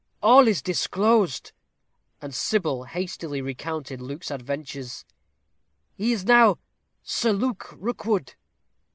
All is disclosed." And Sybil hastily recounted Luke's adventures. "He is now Sir Luke Rookwood."